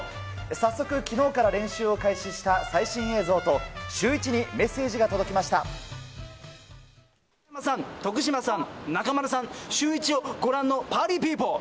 早速、きのうから練習を開始した最新映像と、シューイチにメッセージが中山さん、徳島さん、中丸さん、シューイチをご覧のパーリーピーポー。